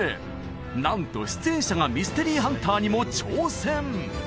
なんと出演者がミステリーハンターにも挑戦！